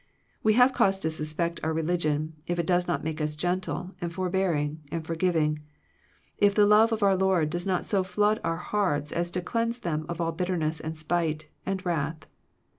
We have cause to suspect our religion, if it does not make us gentle, and for bearing, and forgiving; if the love of our Lord does not so flood our hearts as to cleanse them of all bitterness, and spite, and wrath.